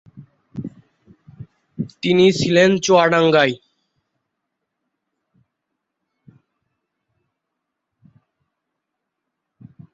তিনি ছিলেন চুয়াডাঙ্গায়।